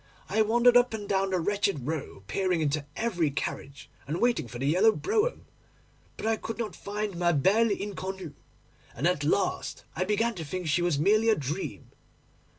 I wandered up and down that wretched Row, peering into every carriage, and waiting for the yellow brougham; but I could not find ma belle inconnue, and at last I began to think she was merely a dream.